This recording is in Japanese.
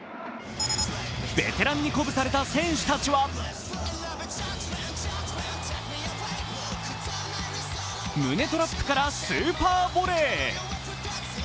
ベテランに鼓舞された選手たちは胸トラップからスーパーボレー。